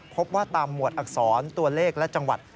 พบว่าตามหมวดอักษรตัวเลขและจังหวัด